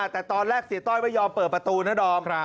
แต่ตอนแรกเสียต้อยไม่ยอมเปิดประตูนะดอม